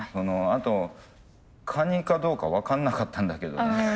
あとカニかどうか分かんなかったんだけどね。